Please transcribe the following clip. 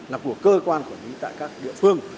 là của cơ quan quản lý tại các địa phương